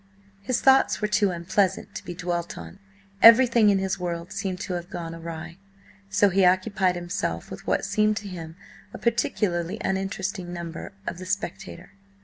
His thoughts were too unpleasant to be dwelt on; everything in his world seemed to have gone awry. So he occupied himself with what seemed to him a particularly uninteresting number of the Spectator.